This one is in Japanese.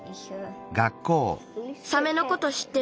サメのことしってる？